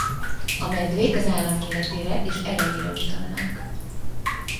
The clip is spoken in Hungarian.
A medvék az állam méretére és erejére utalnak.